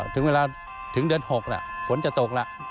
ถึงเวลาถึงเดือด๖ล่ะฝนจะตกลีล่ะ